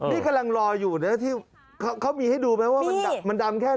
นี่กำลังรออยู่นะที่เขามีให้ดูไหมว่ามันดำแค่ไหน